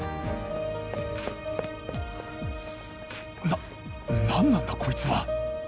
な何なんだこいつは